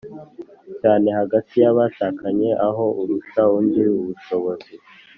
cyane hagati y’abashakanye, aho urusha undi ubushobozi,